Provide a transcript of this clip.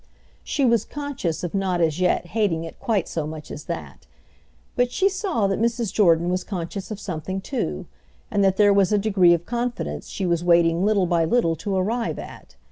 She was conscious of not, as yet, hating it quite so much as that. But she saw that Mrs. Jordan was conscious of something too, and that there was a degree of confidence she was waiting little by little to arrive at.